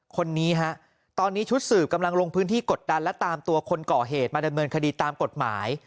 คนนี้ฮะตอนนี้ชุดสืบกำลังลงพื้นที่กดดันและตามตัวคนก่อเหตุมาดำเนินคดีตามกฎหมาย